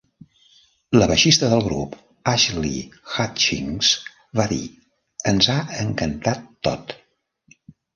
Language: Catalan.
La baixista del grup, Ashley Hutchings, va dir "Ens ha encantat tot".